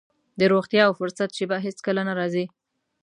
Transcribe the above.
د روغتيا او فرصت شېبه هېڅ کله نه راځي.